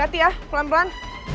hati hati ya pelan pelan